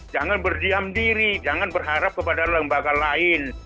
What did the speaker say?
jangan berdiam diri jangan berharap kepada lembaga lain